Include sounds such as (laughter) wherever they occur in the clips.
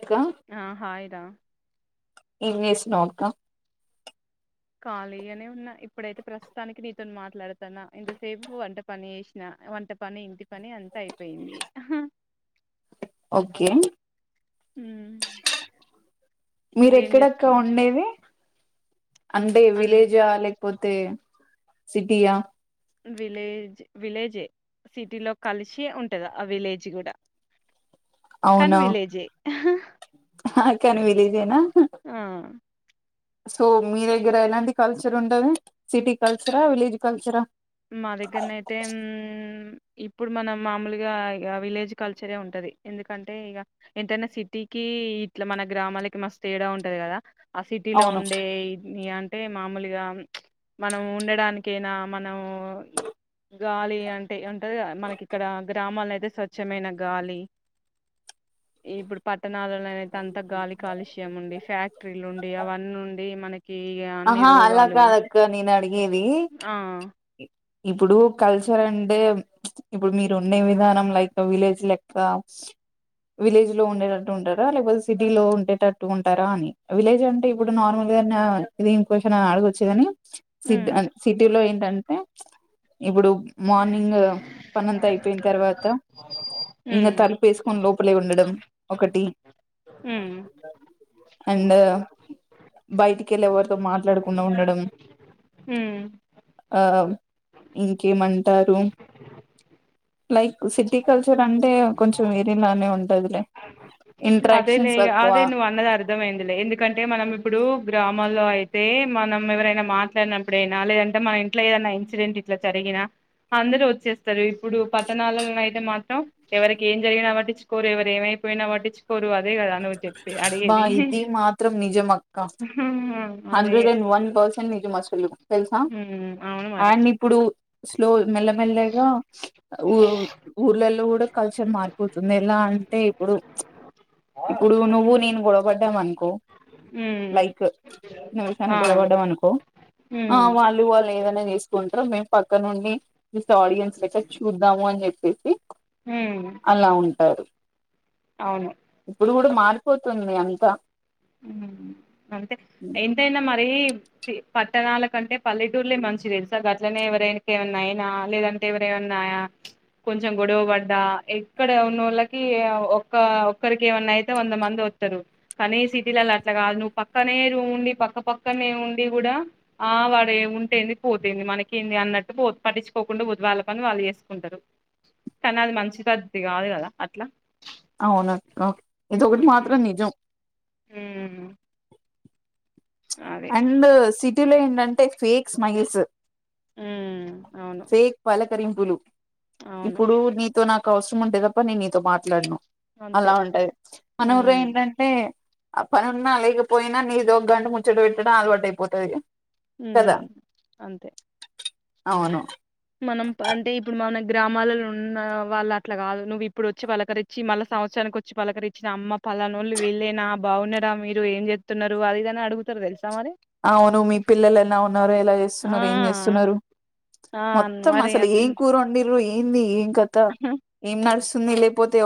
అక్క ఆ హాయ్ రా ఏం జేసినవక్కా ఖాళీగానే ఉన్నా ఇప్పుడైతే ప్రస్తుతానికి నీతోని మాట్లాడుతనా ఇంతసేపు వంట పని చేసిన వంట పని ఇంటి పని అంతా అయిపోయింది ఓకే ఉమ్ మీరెక్కడక్క ఉండేది ఇ అంటే అన్ విలేజా లేకపోతే సిటీయా విలేజ్ విలేజే సిటీ లో కలిసి ఉంటది ఆ విలేజ్ గూడా కన్ అవునా విలేజే కెన్ విల్ ఇదేనా ఆ సో మీ దగ్గర ఎలాంటి కల్చర్ ఉంటది సిటీ కల్చరా విలేజ్ కల్చరా మా దగ్గరన్న అయితే ఉమ్ ఇప్పుడు మనం మామూలుగా ఇగ విలేజ్ కల్చరే ఉంటది ఎందుకంటే ఇగ ఎంటైనా సిటీకి కీ ఇట్లా మన గ్రామాలకి మస్ తేడా ఉంటంది కదా ఆ సిటీలో అవును ఉండే ఇది గాని అంటే మామూలుగా ప్చ్ మనం ఉండడానికైనా మనమూ గాలి అంటే ఉంటదిగా మనకి ఇక్కడ గ్రామల్లో అయితే స్వచ్ఛమైన గాలి ఇప్పుడు ప పట్టణాలలోనయితే అంత గాలి కాలుష్యం ఉండి ఫ్యాక్టరీలు ఉండి అవన్నుండి మనకి అన్ని ఆహా అలా రోగాలు కాదక్కా నేన్ అడిగేది ఆ ఇప్పుడు కల్చర్ అంటే ఇప్పుడు మీరు ఉండే విధానం లైక్ విలేజ్ లెక్క స్ విలేజ్ లో ఉండేటట్టు ఉంటారా లేకపోతే సిటీ లో ఉండేటట్టు ఉంటారా అని విలేజ్ అంటే ఇప్పుడు నార్మల్ ఏదన్నా ఇదేం క్వాషన్ అడగొచ్చుగాని సిట్ మ్మ్ సిటీలో ఏంటంటే ఇప్పుడు మార్నింగ్ పనంతా అయిపోయిన తర్వాత ఇంకా మ్మ్ తలుపు వేసుకొని లోపలే ఉండడం ఒకటి మ్మ్ అండ్ బయటికి ఎళ్ళి ఎవరితో మాట్లాడకుండా ఉండడం మ్మ్ ఆ ఇంకేంమంటారు లైక్ సిటీ కల్చర్ అంటే కొంచెం వేరేలానే ఉంటదిలే అదే లే ఇంట్రాక్షన్స్ ఇగ తక్కువ అదే నువ్వు అన్నది అర్ధమయిందిలే ఎందుకంటే మనం ఇప్పుడు గ్రామ్ మల్లో అయితే మనం ఎవరైనా మాట్లాడినప్పుడైనా లేదంటే మన ఇంట్లో ఏదన్నా ఇన్సిడెంట్ ఇట్లా జరిగినా అందరు వచ్చేస్ తరు ఇప్పుడు పట్టణాల్లో అయితే మాత్రం ఎవరికి ఏం జరిన పట్టించుకోరు ఎవరు ఏమైపోయినా పట్టించుకో కొరు అదే కదా నువ్వు చెప్పి బా అడిగెది ఇది మాత్రం నిజం అక్క హండ్రెడ్ అండ్ వన్ ఫర్సెంట్ నిజం అసలు తెలుసా ఊ అండ్ ఇప్పుడు స్లో మెల్లమెల్లగా ఊ ఊర్లలో కూడా కల్చర్ మారిపోతుంది ఎలా అంటే ఇప్పుడు ప్చ్ ఇప్పుడు నువ్వు నేను గొడవపడ్డామనుకో హ్మ్ లైక్ ఆ నిమిషానికి గొడవపడ్డ అనుకో ఆ హ్మ్ వాళ్ళు వాళ్ళు ఏదైనా చేసుకుంట్రూ మేము పక్కనుం విత్ ఆడియన్స్ లెక్క చూద్దాము అని చెప్పేసి హ్మ్ అలా ఉంటారు అవును ఇప్పుడు కూడా మారిపోతుంది అంతా ఊ అంతే ఎంతైనా మరి చి పట్టణాల కంటే పల్లెటూర్లే మంచివి తెలుసా గట్లనే ఎవరైనాక ఏమన్నా అయినా లేదంటే ఎవర అన్నాయా కొంచెం గొడవ పడ్డా ఎక్కడ ఉన్నోళ్ళకి ఏ ఒక్క ఒక్కరికి ఏమన్నా అయితే వంద మంది త్తరు కనేసి సిటీలల్ల అట్లా కాదు నువ్వు పక్కనే ఉండి పక్క పక్కనే ఉండి కూడా ఆ వాడ ఏముం టేంది పోతెంది మనకేంది అన్నట్టు పో పటించుకోకుండా వాళ్ళ పని వాళ్ళు చేసుకుంటారు కానీ అది మంచిది పదతీ కాదు కదా అట్లా అవును అక్క ఇదొకటి మాత్రం నిజం ఊ అండ్ సిటీ లో ఏందంటే ఫేక్ స్మైల్స్ హ్మ్. అవును. ఫేక్ పలకరింపులు అవును. ఇప్పుడు నీతో నాక్ అవసరం ఉంటే తప్ప నేను నీతో మాట్లాడను అంతే అలా ఉంటది మనూర్లో ఉమ్ ఏంటంటే ఆ పని ఉన్నా లేకపోయినా నీదో గంట ముచ్చట పెట్టడం అలవాటు అయిపోతది ఊ కదా అంతే అవును మనం పంటే ఇప్పుడు మన గ్రామాలలో ఉన్న వాళ్ళు అట్లా కాదు నువ్వు ఇప్పుడు వచ్చి వళకరిచ్చి మళ సంవత్సరానికి వచ్చి పలకరి ఇచ్చిన అమ్మ పలానోళ్లు వెళ్ళలేనా బాగున్నా మీరు ఏం చెప్తున్నారు అదిదని అడుగుతారు తెలుసు అవును మీ పిల్లలు ఎలా ఉన్నారు ఎలా ఆ చేస్తున్నారు ఏం చేస్తున్నారు ఆ మొత్తం మరి అసాల ఏం అట్లా కూర వండిరూ ఏంది ఏం కత ఏం నడస్ ఉంది లేకపోతే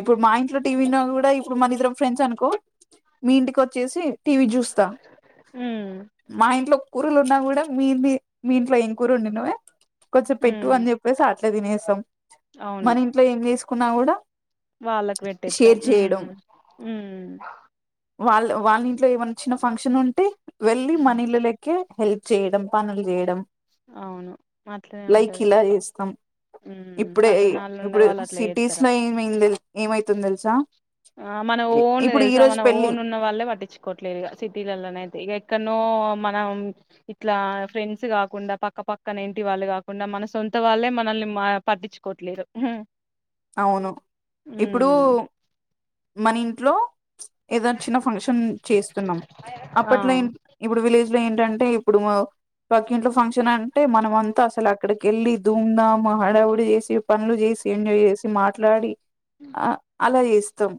ఇప్పుడు మా ఇంట్లో టీవీ కూడా ఇప్పుడు మన ఇద్దరం ఫ్రెండ్స్ అనుకో మీ ఇంటికి వచ్చేసి టీవీ చూ ఉమ్ మా ఇంట్లో కూరలు ఉన్నా కూడా మీ మీ ఇంట్లో ఏం కూర వండినవే కొంచెం పెట్టు ఉమ్ అని చెప్పేసి అట్లే తినేసాం అవును మన ఇంట్లో ఏం చేసుకున్నా కూడా వాళ్ళకు పెట్టేత్తాం షేర్ ఉమ్ చేయడం ఉమ్ వాళ్ళ వాళ్ళ ఇంట్లో ఏమన్నా చిన్న ఫంక్షన్ ఉంటే వెళ్ళి ఉమ్, మనీ ఇళ్ళ లెక్కే హెల్ప్ చేయడం పనులు చేయడం అవును అట్లనే లైక్ ఉంటది ఇలా చేస్తాం ఉమ్ ఇప్పుడే పట్టణాల్లో ఉండే ఇప్పుడు వాళ్ళు అట్లా సిటీస్ చేత్తరా లో ఏమై ఏమైతుంది తెలుసా ఆ మన ఓన్ ఇప్పుడు ఈ తెలుసా రోజు మన పెళ్ళి ఓన్ ఉన్న వాళ్ళే పట్టించుకోట్లేదు టీతే ఎక్కనో మన ఇట్లా ఫ్రెండ్స్ కాకుండా పక్క పక్కన ఇంటి వాళ్ళు కాకుండా మన సొంత వాళ్ళే మనల్ని మా పట్టించుకోట్లేరు అవును ఇప్పుడు మన ఇంట్లో ఏద చిన్న ఫంక్షన్ చేస్తున్నాం ఆ అప్పట్లో ఇప్పుడు విలేజ్ ఏంటంటే ఇప్పుడు పక్క ఇంట్లో ఫంక్షన్ అంటే మనం అంతా అసలు అక్కడికి వెళ్ళి ధూంధా హడావుడి చేసి పనులు చేసి ఎంజాయ్ చేసి మాట్లాడి ఆ అలా చేస్తాం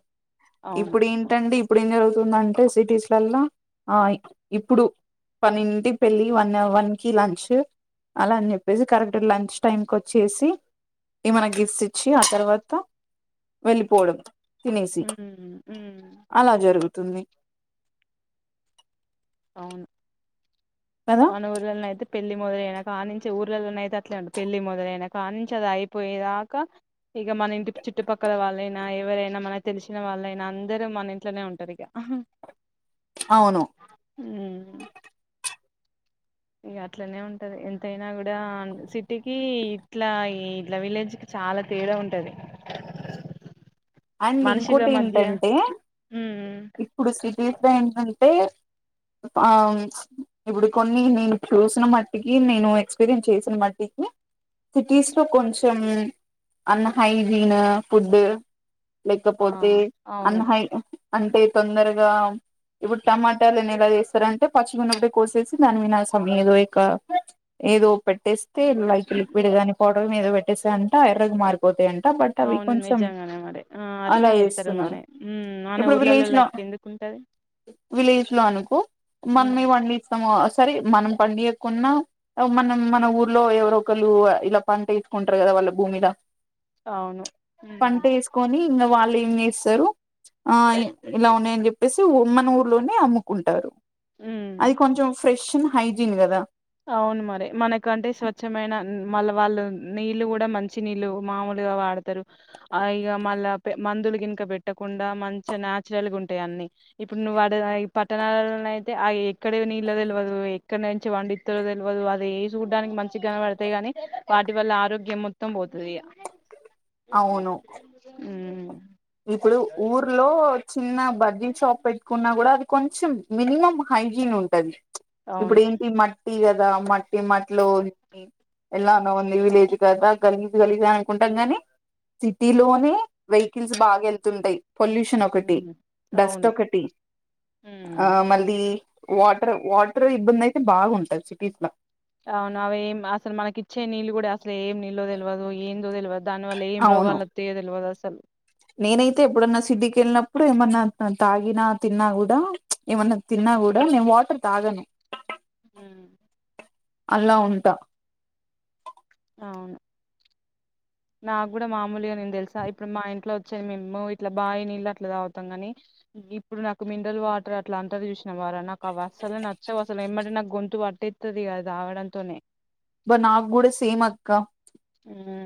అవును ఇప్పుడు ఏంటండి ఇప్పుడు ఏం జరుగుతుందంటే సిటీస్లల్లా ఆ ఇప్పుడు పనింటి పెళ్ళి వన్ వన్ కి లంచ్ అలా అని చెప్పేసి కరెక్ట్ లంచ్ టైమ్ క వచ్చేసి ఈ మనకి గిఫ్ట్స్ ఇచ్చి ఆ తర్వాత వెళ్ళిపోవడం తినేసి ఉమ్ ఉమ్ అలా జరుగుతుంది తుంది అవును మన ఊర్లయితే పెళ్ళి మొదలనా క నుంచి ఊర్లలో అయితే అట్లే ఉ పెళ్లి మొదలైననా నుంచి అది అయిపోయేదాకా ఇక మన ఇంటి చుట్టుపక్కల వాళ్ళైనా ఎవరైనా మనకి తెలిసిన వాళ్ళైనా అందరూ మన ఇంట్లోనే ఉంటారు ఇక అవును ఉమ్ ఇక అట్లనే ఉంటది ఎంతయినా కూడా సిటీకి ఇట్లా ఇట్లా విలేజ్ కి చాలా తేడా ఉంటుంది అండ్ ఇంకోటి మధ్య ఏంటంటే ఉమ్ ఇప్పుడు సిటీస్ లో ఏంట టె ఆ ఇప్పుడు కొన్ని నేను చూసిన మట్టికి నేను ఎక్స్పీరియన్స్ చేసిన మట్టి సిటీస్ లో కొంచెం అన్హైజీన్ ఫుడ్ ఆ లేకపోతే అవును అన్హ అంటే తొందరగా ఇప్పుడు టమాటాలుని ఎలా చేస్తారంటే పచ్చిగున్నప్పుడే కోసేసి దాన్ని వినాల్సాం ఏదో ఇక ఏదో పెట్టేస్తే లైక్ లిక్విడ్ గానీ పౌడర్ ఏదో పెట్టేస్తే అంటే ఎర్రగా మారిపోతాయి అంట బట్ అవి అవును కొంచెం నిజంగానే మరి ఆ అలా అట్నే చేస్తారు చేస్తున్నారు మరి మన ఇప్పుడు ఊర్లలో విలేజ్ లో లెక్క ఎందుకుంటది విలేజ్ అనుకో మమ్మీ (inaudible) వండి ఇస్తాము సరే మనం పాండియాకున మనం మన ఊర్లో ఎవర ఒకరు ఇలా పంట తీసుకుంటారు కదా మ భూమిద అవును కానీ ఇంకా వాళ్ళు ఏం చేస్తారు ఆ ఇలా ఉన్నాయని చెప్పేసి మన ఊర్లోనే అమ్ముకుంటారు ఉమ్ అది కొంచెం ఫ్రెష్ అండ్ హైజీన్ కదా అవును మరి మనకంటే స్వచ్ఛమైన మళ్ళ వాళ్ళు నీళ్ళ కూడా మంచి నీళ్ళు మామూలుగా వాడతారు ఇగా మళ్ళ మందులు ఇంకా పెట్టకుండా మంచిగా నచురల్ గా ఉంటాయి అన్ని ఇప్పుడు నువ్వు ఈ పట్టణాలయి ఆ ఎక్కడ నీల్లో తెలవదు ఎక్కడ నుంచి వండి తెలవదు అది ఏస్ చూడ్డానికి మంచిగ కనపడతాయి కానీ వాటి వల్ల ఆరోగ్యం మొత్తం పోతుంది ఇగ అవును మ్ ఇప్పుడు ఊర్లో చిన్న బజ్జిల్ షాప్ పెట్టుకున్నా కూడా అది కొంచం మినిమం హైజీన్ ఉంటది ఇప్పుడ అవును ఏంటి మ ట్టి కదా మట్టి మట్లో తిప్పి ఎలా అన్నా ఉంది విలేజ్ కదా కలిసి కలిసి అనుకుంటాం గాని సిట్టీ లోనే వెయికిల్స్ బాగా వెళ్తుంటాయి్ పొల్యూషన్ ఒకటి ఉమ్ డస్ట్ అవును ఒకటి ఉమ్ ఆ మళ్లి వాటర్ వాటర్ ఇబ్బంది అయితే బాగుంటది సిటీస్ ల అవును అవేం అసలు మనకి ఇచ్చే నీళ్ళు కూడా అసలు ఏం నీళ్లో తెల్వదు ఏందో తెల్వద్ అవును నేనైతే ఎప్పుడన్నా సిటీ కెళ్ళినప్పుడు ఏమన్నా తాగిన తిన్నా కూడా ఏమన్నా తిన్నా కూడా నేను వాటర్ తాగను హ అలా ఉంట అవును నాకు కూడ మామూలుగా నేను తెలుసా ఇప్పుడు మా ఇంట్లో వచ్చె మేము ఇట్లా బావి నీళ్ళు అట్లా తాగుతాం కాని ఇప్పుడు నాకు మిన్రల్ వాటర్ అట్ల అంటార్ చూసిన వారా నాకు అ అసలు నచ్చవ్ అసలు ఏమంటే నాకు గొంతు వా పట్టేతదిగా అది తాగడంతోనే అబ్బ నాకు కూడా సేమ్ అక్క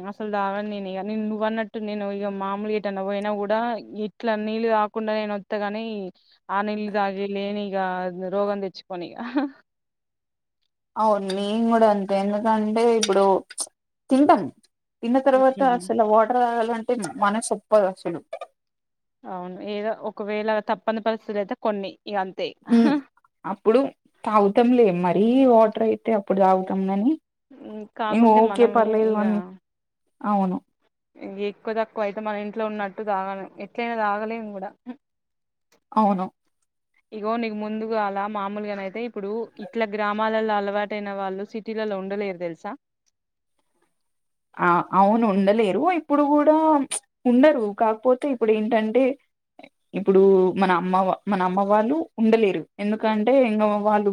అసలు దావన్ నేను ఇక నువ్్వ అన్నట్టు నేను ఇగ మామూలుగా ఏటు అన్న పోయినా కూడ ఇట్ల నీళ్ తాకుండ నేను వత్తగాని అ నీల్ తాగి లేని ఇక రోగం తెచ్చుకొని ఇక అవు నేను కూడా అంతే ఎందుకంటే ఇప్పుడు తింటాము తిన్న తర్వాత అసలు వాటర్ తాగాలంటే మనస్ ఒప్పదు అసలు అవును ఏదో ఒకవేళ తప్పని పరిస్తితిలో అయితే కొన్ని ఇగ అంతే ఉ అప్పుడు తాగుతాంలే మరీ వాటర్ అయితే అప్పుడు తాగుతాం కాని మ్ కాకుంటే మనమే ఇక అని అవును ఎక్కువ తక్కువ అయితే మన ఇంట్లో ఉన్నట్టు తాగాలేం ఎట్లయినా తాగలేము కూడా అవును ఇగో నీకు ముందుగు అలా మామూలుగాన అయితే ఇప్పుడు ఇట్ల గ్రామాలలో అలవాటయిన వాళ్ళు సిటీలలో ఉండలేరు తెలుసా అ అవును ఉండలేరు ఇప్పుడు కూడ ఉండరు కాకపోతే ఇప్పుడు ఏంటంటే ఇప్పుడు మన అమ్మ వా మన అమ్మ వాళ్ళు ఉండలేరు ఎందుకంటే ఇంకా వాళ్ళు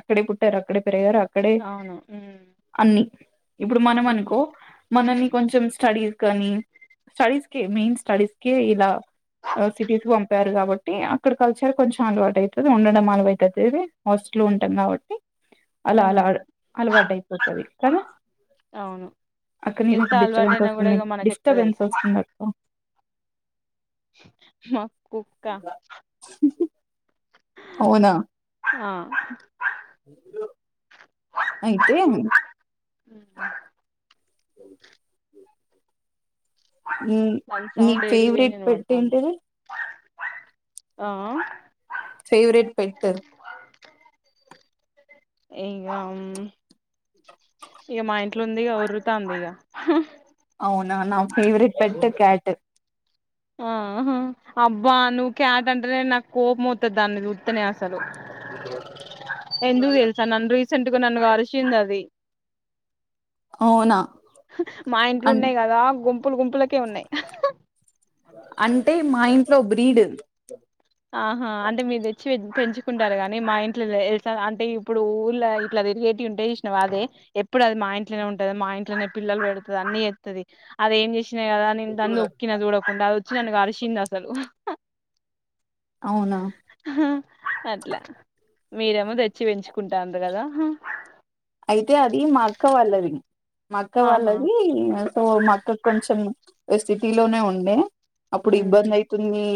అక్కడే పుట్టారు అక్కడే పెరిగారు అక్కడే అవును ఉమ్ అన్ని ఇప్పుడు మనం ఉమ్, అనుకో మనల్ని కొంచెం స్టడీస్ కానీ స్టడీస్కె మెయిన్ స్టడీస్కే ఇలా సిటీస్ పంపారు కాబట్టి అక్కడ కలచర్ కొంచెం అలవాటు అవుతుది ఉండడం అలవవుతుంది ఇదిస్ ఇంట్లో ఉంటాం కాబట్టి అలా అల ఉమ్, అలవాటు అయిపోతుంది కదా అవును అక్క నీ ఎంత దగ్గర్ డిస్టబెన్స్ అలవాటైనా కూడా వస్తుంది ఇగ మనకి ఎట్ట డిస్టబెన్స్ వస్తుందక్క హ కుక్క అవున ఆ అయితె ఉ నీ వాన్ నీ సౌండ్ ఏడివే ఫేవరెట్ నేను పెట్ పడతాను ఏంటిది ఆయ్ ఫేవ్ రెట్ పెట్టర్ ఏంగం ఇగ మా ఇంట్లో ఉంది ఇక ఒర్రుతాంది ఇక అవునా నా ఫేవరెట్ పెట్ క్యాట్ ఆ హ అబ్బా నువ్వు క్యాట్ అంటే నాకు కోపంమొత్తది దాన్ని చుత్తనే అస్ ఎందుకు తెలుసా నన్ను రీసెంట్ గా నన్ను కరిసింది అది అవునా మా ఇంట్లు అం ఉన్నాయి కదా గుంపులు గుంపుల అంటే మా ఇంట్లో బ్రీడ్ ఆహా అంటే మీదెచ్చి పెంచుకుంటారు కాని మా ఇంట్లోస అంటే ఇప్పుడు ఊళ్ళ ఇట్లా తిరిగేటి ఉంటయి చూసినవనే ఎప్పుడు అది మా ఇంట్లోనే ఉంటది మా ఇంట్లోనే పిల్లలు పెడుతది అన్నీ చేత్తది అది ఏం చేసి కదా నేను తోక్కిన చూడకుండా అసల్ అది వచ్చి నన్ను కరిసింది అసలు అవునా అట్ల మీరేమో తెచ్చి పెంచుకుంటాండ్రు కదా అయితే అది మ అక్క వాళ్ళది మ అక్క ఆహా వాళ్ళది సో మాక్కకి కొంచెం సిటీ లోనే ఉండే అప్పుడు ఇబ్బంది ఉమ్ అయితుంది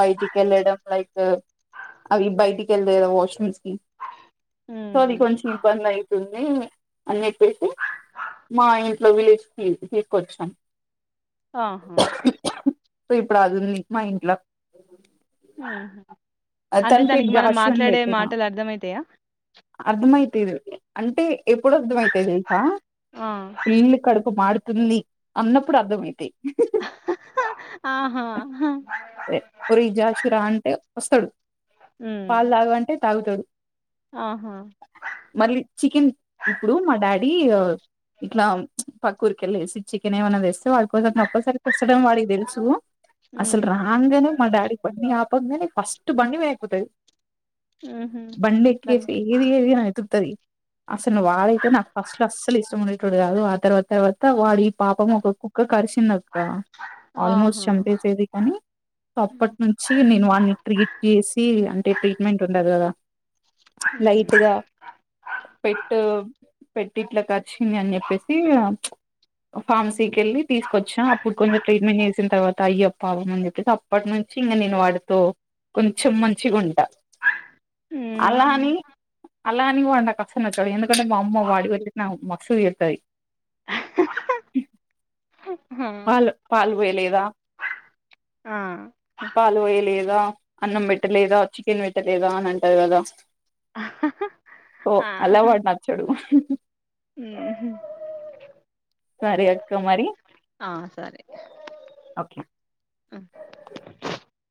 బయటికి వెళ్ళడం లైక్ అవి బయటికి వెళ్లేద వాష్రూమ్స్ కి సో అది ఉమ్ కొంచెం అయితుండే అని చేప్పేసి మా ఇంట్లో విలేజ్ కి తీసుకొచ్చాను ఆహా సో ఇప్పుడు అదుంది మా ఇంట్ల ఉ తనపేరు జాష్ అని పెట్టిన అర్థమయితాయా అర్ధమైతయి అంటే ఎప్పుడు అర్థం అయితే తెలుసా ఆ పిల్లి కడుపు మాడు తుంది అన్నప్పుడు అర్థమైతయి ఆహా ఒ ఇ జాషు రా అంటే వస్తాడు ఉమ్ పాలు తాగంటే తాగుతాడు ఆహా మళ్ళీ చికెన్ ఇప్పుడు మా డాడి ఇట్లా పక్క ఉరికెళ్ళిసీ చికనేమన్న తెస్త వాళ్ళ కోసం తప్పనిసరి తెస్తాడూ వాడికి తెలుసు అసలు ఉమ్ రాగానే మా డాడీ కొన్ని పప్పంగానే ఫస్ట్ అటు బండిమీద వై ఏక్కుతది ఉహు దన్ బండక్కెసి ఏ ది ఏదైనా ఎత్కుతది అసలు వాడైతే నాకు ఫస్ట్ లో అస్సలు ఇష్టం ఉండేటోడు కాదు ఆ తర్వాత తర్వాత వాడు పాపం ఒక కుక్క కరిసిందక్క ఆల్మోస్ట్ ఆహా చంపేసేది కానీ అప్పటి ఉమ్ నుంచి నేను అన్ని ీట్ చేసి అంటే ట్రీట్మెంట్ ఉండదు కదా లైట్ గా పెట్టు పెట్టిట్ల కరిసింది అని చెప్పేసి ఫార్మసీకి వెళ్ళి తీసుకొచ్చా అప్పుడు కొంచెం ట్రీట్మెంట్ చేసిన తర్వాత అయ్యప్ప అవ్వమని చెప్పేసి అప్పటి నుం ి తిన్న నేన్ వాడుతో కొంచెం మంచిగుంట అలా అని అలా అని వాడు నాకు అసలు నచ్చాడు ఎందుకంటే మా అమ్మ వాడి వచ్చిన మస్తు చేతది (unintelligible) పాలు పాలు పోయలేదా ఆ పాలు పోయలేదా అన్నం పెట్టలేదా చికెన్ పెట్టలేదా అని అంటారు కదా ఆ ఓ అలా ఆహా వాడు నచ్చడు ఉహు సరే అక్క మరి ఆ సరే ఓకే